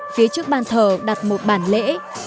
phía trước ban thờ đặt một bàn lễ